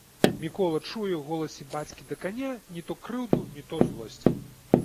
Мікола чуе ў голасе бацькі да каня не то крыўду, не то злосць.